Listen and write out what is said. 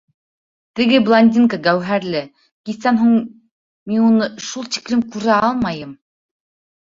Теге «блондинка Гәүһәрле» кистән һуң мин уны шул тиклем күрә алмайым.